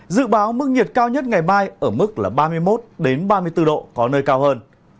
dự báo mức nhiệt cao nhất ngày mai ở mức ba mươi một ba mươi bốn độ có nơi cao hơn